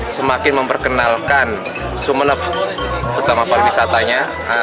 semakin memperkenalkan sumeneb utama pariwisatanya